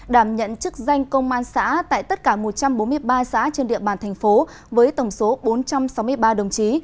đảm nhận chức danh công an xã tại tất cả một trăm bốn mươi ba xã trên địa bàn thành phố với tổng số bốn trăm sáu mươi ba đồng chí